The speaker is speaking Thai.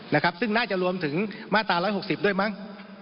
นะครับซึ่งน่าจะรวมถึงมาตรา๑๖๐ด้วยมั้ง